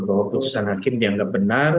bahwa putusan hakim dianggap benar